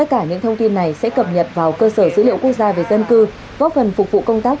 tất cả những thông tin này sẽ cập nhật vào cơ sở dữ liệu quốc gia về dân cư góp phần phục vụ công tác